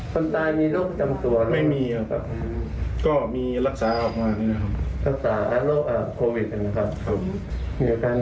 ก็ต่างแล้วโควิดนะครับมีอาการเหนื่อย